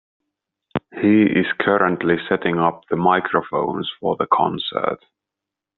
He is currently setting up the microphones for the concert.